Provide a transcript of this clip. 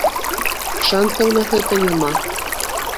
Шанцаў на гэта няма.